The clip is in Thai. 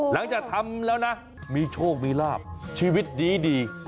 หลังจากทำแล้วนะมีโชคมีลาบชีวิตดี